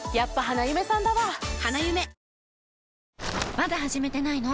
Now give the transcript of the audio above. まだ始めてないの？